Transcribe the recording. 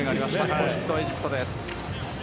ポイントはエジプトです。